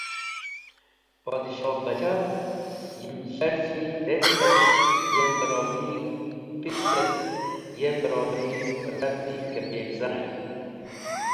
Podshohbachah yem zharzhi dez̃hd et yem barobarigig̃h pit et yem barobargig̃h reti kimpirzaner.